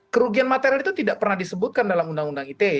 kerugian material itu tidak pernah disebutkan dalam pasal tiga puluh enam